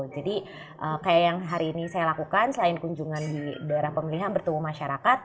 jadi kayak yang hari ini saya lakukan selain kunjungan di daerah pemilihan bertemu masyarakat